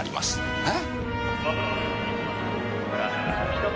えっ！？